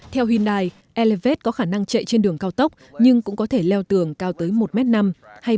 theo hyundai elevate có khả năng chạy trên đường cao tốc nhưng cũng có thể leo tường cao tới một năm m hay